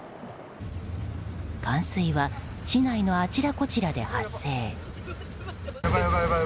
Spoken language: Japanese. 冠水は市内のあちらこちらで発生。